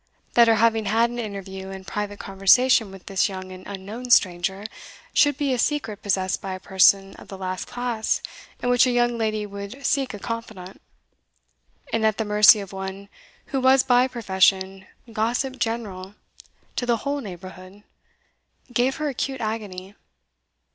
That her having had an interview and private conversation with this young and unknown stranger, should be a secret possessed by a person of the last class in which a young lady would seek a confidant, and at the mercy of one who was by profession gossip general to the whole neighbourhood, gave her acute agony.